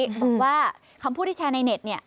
บอกว่าคำพูดที่แชร์ในเน็ตเนี่ย